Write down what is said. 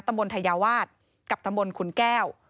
ตำรวจทยาวาสกับตำบลขุนแก้ว